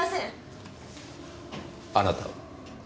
あなたは？